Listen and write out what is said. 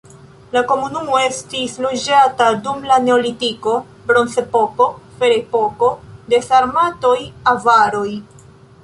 La komunumo estis loĝata dum la neolitiko, bronzepoko, ferepoko, de sarmatoj, avaroj.